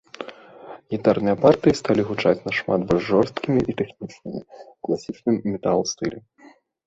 Гітарныя партыі сталі гучаць нашмат больш жорсткім і тэхнічнымі, у класічным метал-стылі.